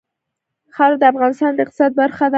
خاوره د افغانستان د اقتصاد برخه ده.